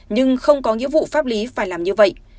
nhưng không có nghĩa vụ pháp lý phải làm như vậy